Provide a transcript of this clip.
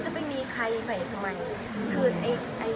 ถึงเรียกว่ามีผู้ใหม่ออกไป